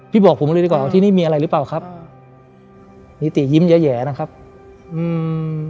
บอกผมเลยดีกว่าที่นี่มีอะไรหรือเปล่าครับนิติยิ้มแย้แหย่นะครับอืม